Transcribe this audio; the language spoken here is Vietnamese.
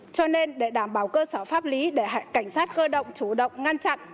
cho nên để đảm bảo cơ sở pháp lý để cảnh sát cơ động chủ động ngăn chặn